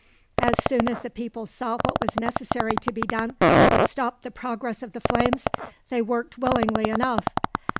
As soon as the people saw what was necessary to be done to stop the progress of the flames, they worked willingly enough.